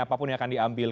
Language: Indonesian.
apapun yang akan diambil